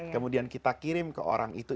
kemudian kita kirim ke orang itu